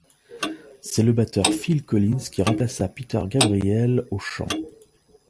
C'est le batteur Phil Collins qui remplaça Peter Gabriel au chant.